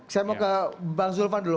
saya mau ke bang zulfan dulu